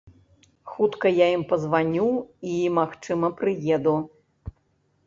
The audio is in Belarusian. Хутка я ім пазваню і, магчыма, прыеду.